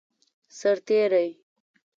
سرتیری